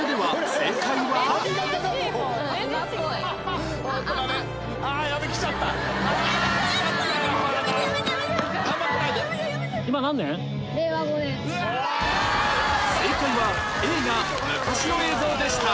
正解は Ａ が昔の映像でした